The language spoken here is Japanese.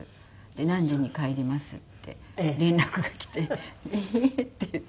「何時に帰ります」って連絡がきて「ええー」っていって。